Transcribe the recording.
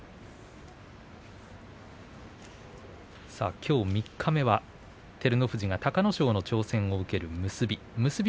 きょう三日目は、照ノ富士が隆の勝の挑戦を受ける結び。